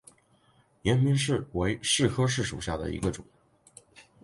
延平柿为柿科柿属下的一个种。